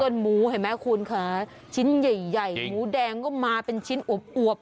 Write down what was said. หมูเห็นไหมคุณค่ะชิ้นใหญ่ใหญ่หมูแดงก็มาเป็นชิ้นอวบ